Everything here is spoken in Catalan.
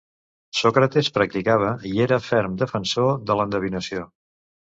Sòcrates practicava i era ferm defensor de l'endevinació.